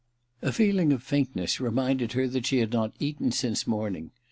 ... A feeling of faintness reminded her that she had not eaten since morning.